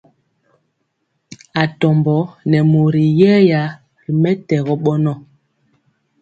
Atombo nɛ mori yɛya ri mɛtɛgɔ bɔnɔ.